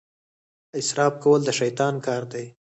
اسراف کول د شیطان کار دی.